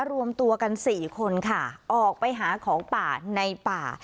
รวมตัวกัน๔คนค่ะออกไปหาของป่าในป่า